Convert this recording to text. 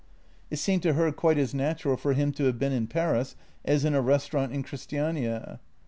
It seemed to her quite as natural for him to have been in Paris as in a restaurant in Christiania.